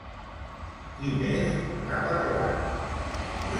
Qui més n'ha parlat?